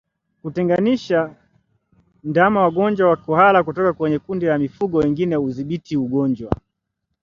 Kutengenisha ndama wagonjwa wa kuhara kutoka kwenye kundi la mifugo wengine hudhibiti ugonjwa